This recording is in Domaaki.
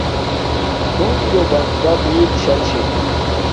ہنزو بندا بوت شاہ چھے